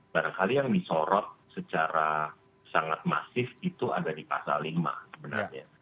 barangkali yang disorot secara sangat masif itu ada di pasal lima sebenarnya